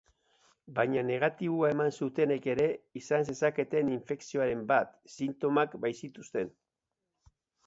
Baina negatiboa eman zutenek ere izan zezaketen infekzioren bat, sintomak baitzituzten.